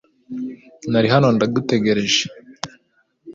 Nari hano ndagutegereje .